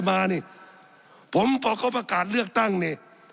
สับขาหลอกกันไปสับขาหลอกกันไป